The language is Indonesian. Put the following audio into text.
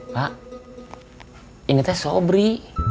pak ini teh sobri